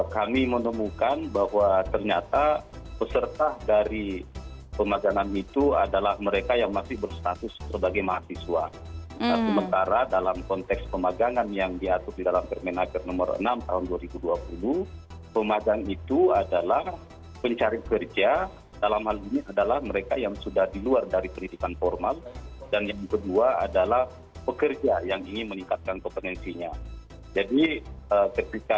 kami menemukan bahwa ternyata peserta dari pemagangan itu adalah mereka yang masih berstatus sebagai mahasiswa